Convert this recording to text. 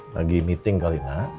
lagi meeting kali lah